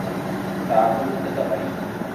تعامل څه ته وايي.